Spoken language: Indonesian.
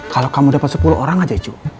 kalau kamu dapat sepuluh orang aja